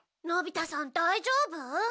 のび太さん大丈夫？